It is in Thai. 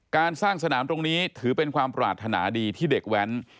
การสร้างสนามตรงนี้ถือเป็นความปรารถนาดีที่เด็กแว้น